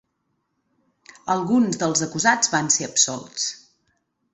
Alguns dels acusats van ser absolts.